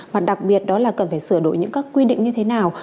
và đặc biệt đó là cần phải sửa đổi những các quy định như thế nào